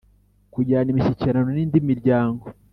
Kugirana imishyikirano n indi miryango